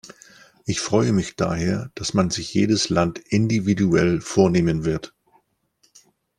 Ich freue mich daher, dass man sich jedes Land individuell vornehmen wird.